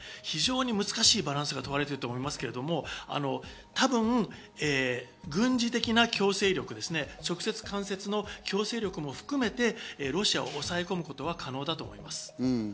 非常に難しいバランスが問われていると思いますけど、多分、軍事的な強制力、直接・間接の強制力も含めてロシアを抑え込むことは可能だと思います。